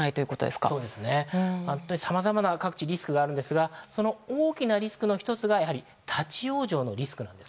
各地さまざまなリスクがあるんですがその大きなリスクの１つが立ち往生のリスクなんです。